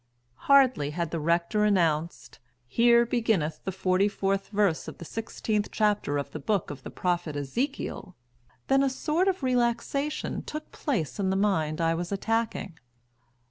Hardly had the rector announced, "Here beginneth the forty fourth verse of the sixteenth chapter of the book of the prophet Ezekiel," than a sort of relaxation took place in the mind I was attacking.